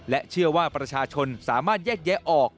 เชื่อว่าประชาชนสามารถแยกแยะออก